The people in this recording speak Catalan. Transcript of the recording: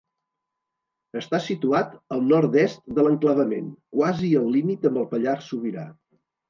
Està situat al nord-est de l'enclavament, quasi al límit amb el Pallars Sobirà.